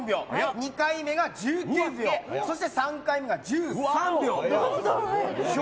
２回目が１９秒そして３回目が１３秒！